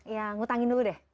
ya ngutangin dulu deh